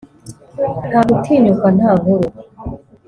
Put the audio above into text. nta gutinyuka, nta nkuru.